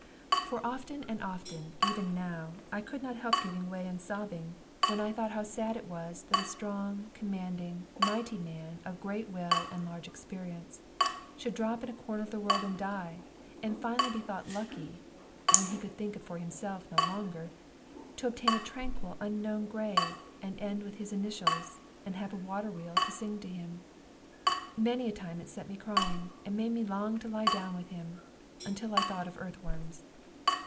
For often and often, even now, I could not help giving way and sobbing, when I thought how sad it was that a strong, commanding, mighty man, of great will and large experience, should drop in a corner of the world and die, and finally be thought lucky when he could think for himself no longer to obtain a tranquil, unknown grave, and end with his initials, and have a water wheel to sing to him. Many a time it set me crying, and made me long to lie down with him, until I thought of earth worms.